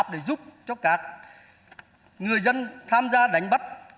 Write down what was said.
giải pháp để giúp cho các người dân tham gia đánh bắt